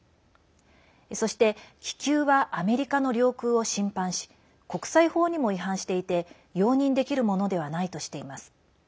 そして、気球はアメリカの領空を侵犯し国際法にも違反していて容認できるものではないとしています。